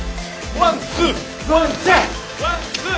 ワンツーワンツー。